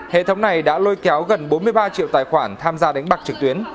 hệ thống này đã lôi kéo gần bốn mươi ba triệu tài khoản tham gia đánh bạc trực tuyến